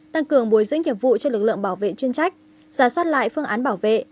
tăng cường bồi dưỡng nhiệm vụ cho lực lượng bảo vệ chuyên trách giả soát lại phương án bảo vệ